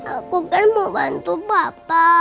aku kan mau bantu bapak